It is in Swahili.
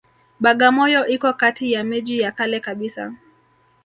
Bagamoyo iko kati ya miji ya kale kabisa